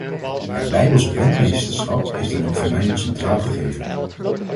Het bijbels rentmeesterschap is dan ook voor mij een centraal gegeven.